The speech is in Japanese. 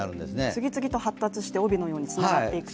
次々と発達して帯のようにつながっていくと。